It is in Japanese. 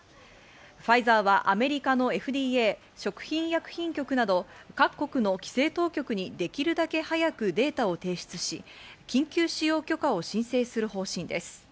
ファイザーはアメリカのＦＤＡ＝食品医薬品局など各国の規制当局にできるだけ早くデータを提出し、緊急使用許可を申請する方針です。